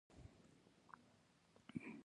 چار مغز د افغانستان په اوږده تاریخ کې ذکر شوي دي.